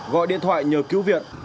gọi điện thoại nhờ cứu viện